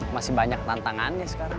masih banyak tantangannya sekarang